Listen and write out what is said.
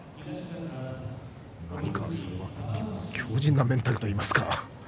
何か強じんなメンタルといいますか。